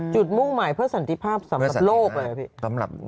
มุ่งหมายเพื่อสันติภาพสำหรับโลกเลยครับพี่